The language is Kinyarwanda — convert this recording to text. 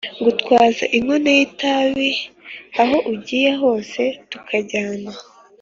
ngutwaza inkono y' itabi aho ugiye hose tukajyana".